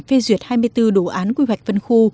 phê duyệt hai mươi bốn đồ án quy hoạch phân khu